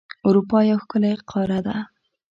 اروپا یو ښکلی قاره ده.